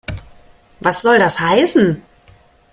Was soll das heißen?